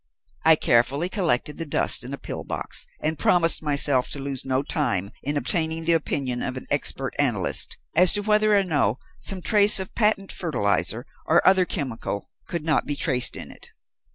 I carefully collected the dust in a pill box, and promised myself to lose no time in obtaining the opinion of an expert analyst, as to whether or no some trace of patent fertilizer, or other chemical, could not be traced in it.